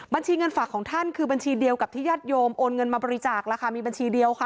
เงินฝากของท่านคือบัญชีเดียวกับที่ญาติโยมโอนเงินมาบริจาคแล้วค่ะมีบัญชีเดียวค่ะ